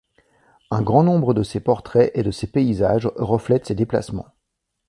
Un grand nombre de ses portraits et de ses paysages reflètent ses déplacements.